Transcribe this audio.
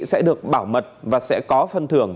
sẽ được bảo mật và sẽ có phân thưởng